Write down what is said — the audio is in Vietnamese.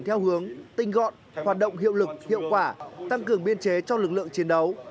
theo hướng tinh gọn hoạt động hiệu lực hiệu quả tăng cường biên chế cho lực lượng chiến đấu